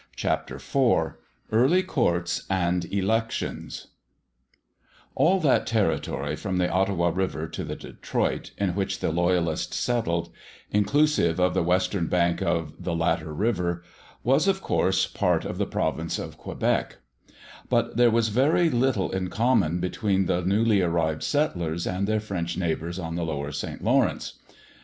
*CHAPTER IV* *EARLY COURTS AND ELECTIONS* All that territory from the Ottawa River to the Detroit, in which the Loyalists settled, inclusive of the western bank of the latter river, was, of course, part of the Province of Quebec; but there was very little in common between the newly arrived settlers and their French neighbours on the lower St. Lawrence.